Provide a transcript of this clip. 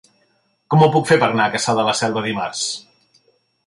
Com ho puc fer per anar a Cassà de la Selva dimarts?